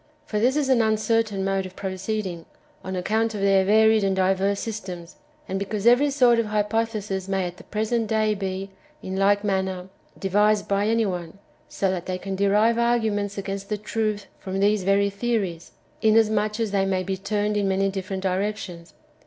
For this is an uncertain mode of proceeding, on account of their varied and diverse systems, and because every sort of hypothesis may at the present day be, in like manner, devised^ by any one; so that^ they can derive arguments against the truth from these very theories, inasmuch as they may be turned in many different directions.